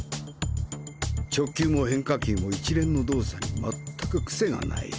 直球も変化球も一連の動作に全くクセがない。